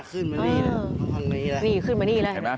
เค้าขึ้นมานี้แล้ว